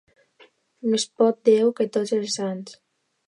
Més pot Déu que tots els sants.